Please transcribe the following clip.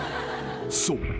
［そう。